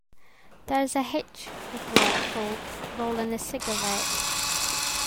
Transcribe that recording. There's the hitch, replied Thorpe, rolling a cigarette.